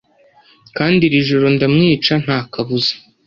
Kandi iri joro ndamwica ntakabuza